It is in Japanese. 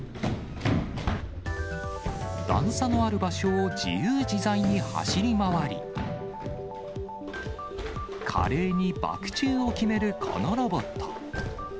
段差のある場所を自由自在に走り回り、華麗にバク宙を決めるこのロボット。